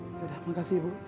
terima kasih ibu